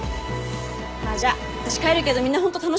じゃあ私帰るけどみんなホント楽しんで。